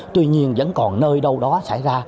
tuy nhiên vẫn còn nơi đâu đó xảy ra